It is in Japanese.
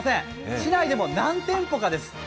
市内でも何店舗かです。